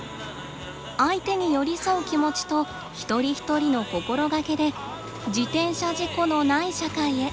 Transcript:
相手に寄り添う気持ちと一人一人の心がけで自転車事故のない社会へ。